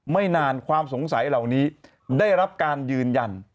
ไม่นานความสงสัยเหล่านี้ได้รับการยืนยัน